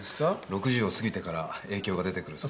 ６０を過ぎてから影響が出てくるそうです。